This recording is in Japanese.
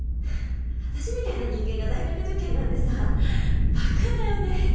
私みたいな人間が大学受験なんてさバカだよね。